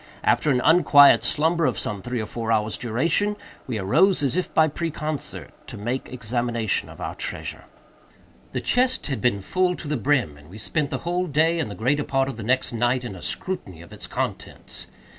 After an unquiet slumber of some three or four hours' duration, we arose, as if by preconcert, to make examination of our treasure. The chest had been full to the brim, and we spent the whole day, and the greater part of the next night, in a scrutiny of its contents.